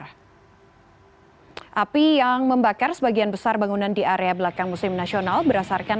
hai api yang membakar sebagian besar bangunan di area belakang musim nasional berdasarkan